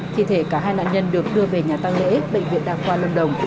khi thế cả hai nạn nhân được đưa về nhà tăng lễ bệnh viện đạp qua lân đồng